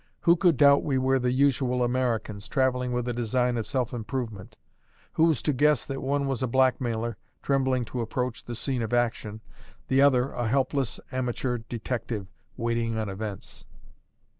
Who could doubt we were the usual Americans, travelling with a design of self improvement? Who was to guess that one was a blackmailer, trembling to approach the scene of action the other a helpless, amateur detective, waiting on events?